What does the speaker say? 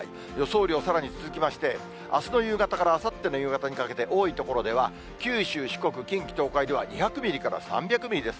雨量、さらに続きまして、あすの夕方からあさっての夕方にかけて、多い所では九州、四国、近畿、東海では２００ミリから３００ミリです。